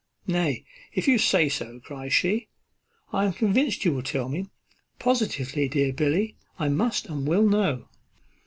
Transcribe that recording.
"Nay, if you say so," cries she, "I am convinced you will tell me. Positively, dear Billy, I must and will know."